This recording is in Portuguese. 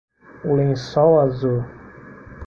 O lençol azul.